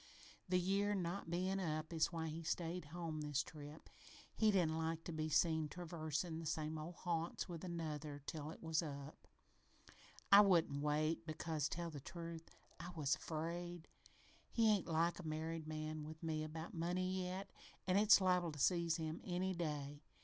The year not bein' up is why he stayed home this trip. He didn't like to be seen traversin' the same old haunts with Another till it was up. I wouldn't wait because, tell the truth, I was afraid. He ain't like a married man with me about money yet, an' it's liable to seize him any day.